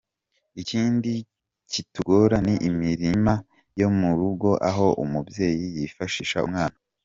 Ikindi kitugora ni imirima yo mu rugo aho umubyeyi yifashisha umwana.